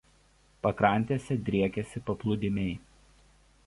Pakrantėse driekiasi paplūdimiai.